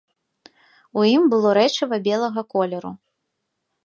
У ім было рэчыва белага колеру.